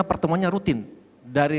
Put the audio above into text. pertemuan nya rutin dari